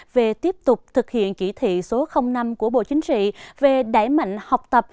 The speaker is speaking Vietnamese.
về tiếp tục thực hiện kỷ thị số năm của bộ chính trị về đáy mạnh học tập